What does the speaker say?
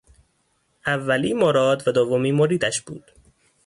اولی مراد و دومی مریدش بود